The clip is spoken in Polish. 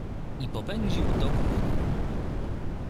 I popędził do kuchni.